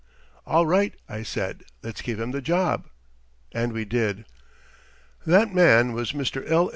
"All right," I said, "let's give him the job," and we did. That man was Mr. L.